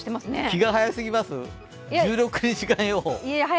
気が早すぎますか、１６日間予報。